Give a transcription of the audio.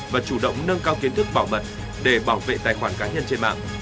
và chủ động nâng cao kiến thức bảo mật để bảo vệ tài khoản cá nhân trên mạng